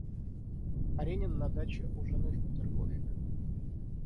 Каренин на даче у жены в Петергофе.